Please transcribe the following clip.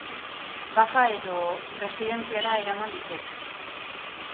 Baja edo... Residentziara eraman ditek.